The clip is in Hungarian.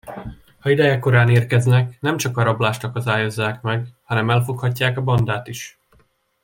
Ha idejekorán érkeznek, nemcsak a rablást akadályozzák meg, hanem elfoghatják a bandát is.